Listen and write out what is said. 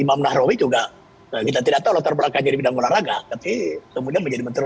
imam nahrawi juga kita tidak tahu terbelakangnya di bidang warna raga tapi kemudian menjadi menteri